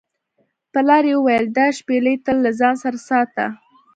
پلار یې وویل دا شپیلۍ تل له ځان سره ساته.